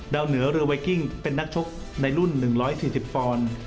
เหนือเรือไวกิ้งเป็นนักชกในรุ่น๑๔๐ปอนด์